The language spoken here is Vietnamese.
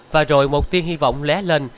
và rồi một tiếng hy vọng lé lên